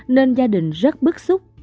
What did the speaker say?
nên gia đình rất bức xúc